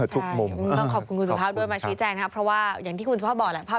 ใช่ต้องขอบคุณคุณสุภาพด้วยมาชี้แจงนะครับเพราะว่าอย่างที่คุณสุภาพบอกแหละภาพ